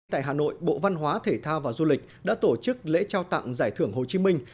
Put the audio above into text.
tại hà nội bộ văn hóa thể thao và du lịch đã tổ chức lễ trao tặng giải thưởng hồ chí minh